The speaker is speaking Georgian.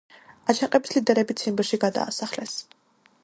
აჯანყების ლიდერები ციმბირში გადაასახლეს.